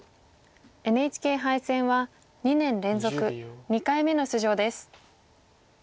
ＮＨＫ杯戦は２年連続２回目の出場です。